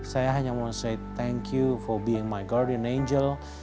saya hanya mau say thank you for being my guardian angel